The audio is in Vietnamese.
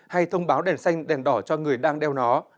hay thông báo đèn xanh đèn đỏ cho người đang đeo nó